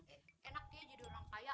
enaknya jadi orang kaya